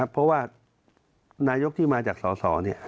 เพราะว่านายกที่มาจากสส